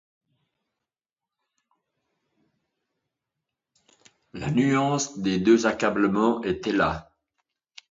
La nuance des deux accablements était là.